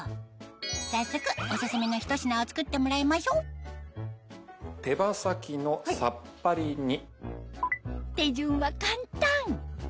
早速オススメのひと品を作ってもらいましょう手羽先のさっぱり煮。